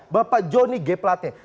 bapak joni g pelate